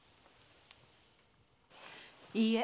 いいえ。